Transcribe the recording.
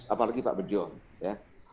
apalagi pak bejo ya